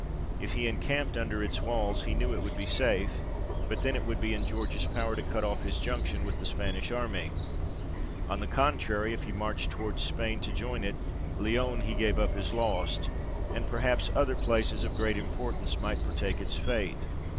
If he encamped under its walls, he knew it would be safe, but then it would be in George's power to cut off his junction with the Spanish army. On the contrary, if he marched towards Spain to join it, Lyons he gave up as lost, and perhaps other places of great importance might partake its fate.